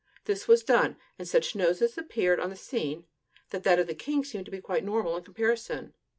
This was done; and such noses appeared on the scene that that of the king seemed quite normal in comparison.